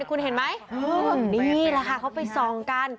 คุณเห็นไหมนี่แหละค่ะเขาไปส่องกัน